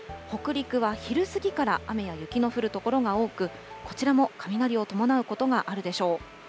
北陸は昼過ぎから雨や雪の降る所が多く、こちらも雷を伴うことがあるでしょう。